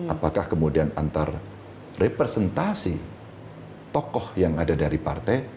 apakah kemudian antar representasi tokoh yang ada dari partai